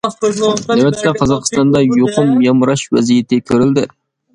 نۆۋەتتە، قازاقىستاندا يۇقۇم يامراش ۋەزىيىتى كۆرۈلدى.